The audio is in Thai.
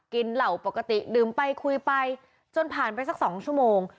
เหล่าปกติดื่มไปคุยไปจนผ่านไปสัก๒ชั่วโมง